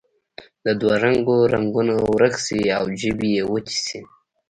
د دوه رنګو رنګونه ورک شي او ژبې یې وچې شي.